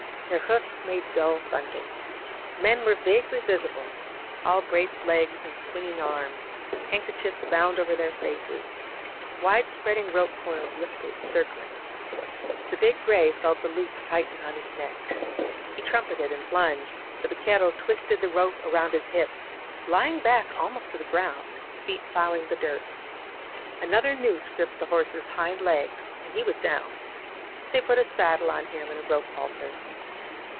Their hoofs made dull thunder. Men were vaguely visible, all braced legs and swinging arms, handkerchiefs bound over their faces; wide spreading rope coils lifted, circling. The big gray felt the loop tighten on his neck. He trumpeted and plunged ; the vaquero twisted the rope around his hip, lying back almost to the ground, feet plowing the dirt. Another noose gripped the horse's hind legs — and he was down. They put a saddle on him and a rope halter.